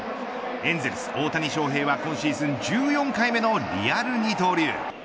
エンゼルス大谷翔平は今シーズン１４回目のリアル二刀流。